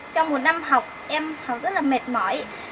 trong một năm học em học rất là mệt mỏi